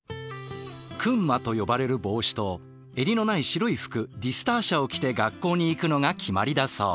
「クンマ」と呼ばれる帽子と襟のない白い服「ディスターシャ」を着て学校に行くのが決まりだそう。